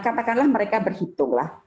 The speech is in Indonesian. katakanlah mereka berhitunglah